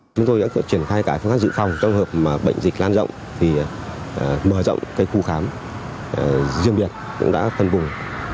chúng tôi đã chuyển khai cả các dự phòng trong hợp mà bệnh dịch lan rộng thì mở rộng cái khu khám riêng biệt cũng đã phân bùng